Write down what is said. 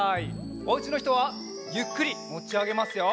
おうちのひとはゆっくりもちあげますよ。